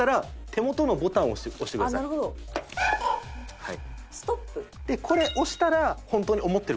はい。